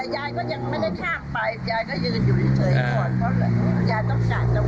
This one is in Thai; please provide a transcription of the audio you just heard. ลงไปนิดเดียวเท่านั้นแหละ